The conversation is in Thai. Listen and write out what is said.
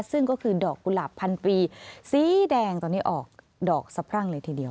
ซึ่งก็คือดอกกุหลาบพันปีสีแดงตอนนี้ออกดอกสะพรั่งเลยทีเดียว